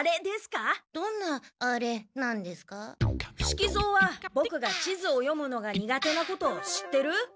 伏木蔵はボクが地図を読むのが苦手なこと知ってる？